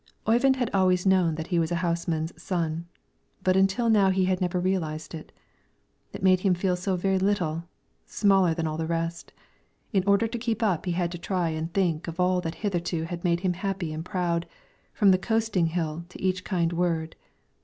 Oyvind had always known that he was a houseman's son; but until now he had never realized it. It made him feel so very little, smaller than all the rest; in order to keep up he had to try and think of all that hitherto had made him happy and proud, from the coasting hill to each kind word.